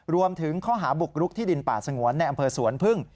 รวมถึงข้อหาบุกรุกที่ดินป่าสงวนในอำเภอสวนพึ่ง